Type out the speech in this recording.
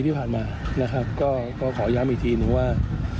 ที่ผ่านมานะครับก็ขอย้ำอีกทีหนึ่งว่า